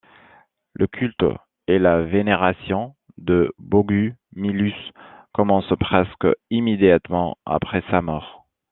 Le culte et la vénération de Bogumilus commence presque immédiatement après sa mort.